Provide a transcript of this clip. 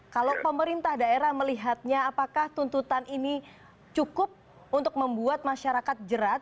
kalau pemerintah daerah melihatnya apakah tuntutan ini cukup untuk membuat masyarakat jerat